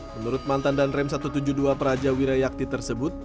menurut mantan danrem satu ratus tujuh puluh dua praja wirayakti tersebut